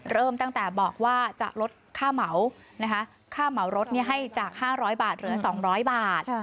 เริ่มตั้งแต่บอกว่าจะลดค่าเหมาค่าเหมารถให้จาก๕๐๐บาทเหลือ๒๐๐บาท